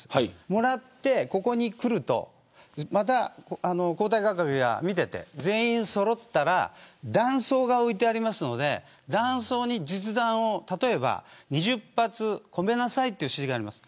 もらってここに来るとまた交代係が見ていて全員そろったら弾倉が置いてありますので弾倉に実弾を例えば２０発込めなさいという指示があります。